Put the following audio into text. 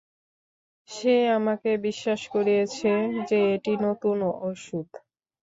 সে আমাকে বিশ্বাস করিয়েছে যে এটি নতুন ওষুধ।